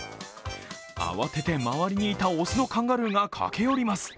慌てて周りにいた雄のカンガルーが駆け寄ります。